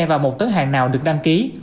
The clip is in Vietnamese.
và một tấn hàng nào được đăng ký